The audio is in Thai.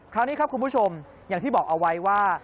คราวนี้ครับคุณผู้ชมอย่างที่บอกเอาไว้ว่า